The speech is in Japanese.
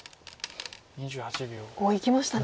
おっいきましたね。